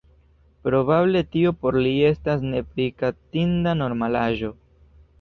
Probable tio por li estas nepritraktinda normalaĵo.